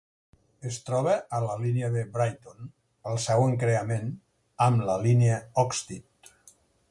Es troba a la línia de Brighton al seu encreuament amb la línia Oxted.